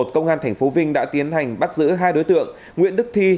công an thành phố vinh đã tiến hành bắt giữ hai đối tượng nguyễn đức thi